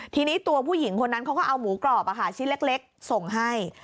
ทีนี้ตัวผู้หญิงคนนั้นเขาก็เอาหมูกรอบชิ้นเล็กส่งให้